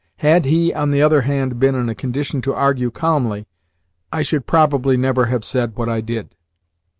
Had he, on the other hand, been in a condition to argue calmly, I should probably never have said what I did.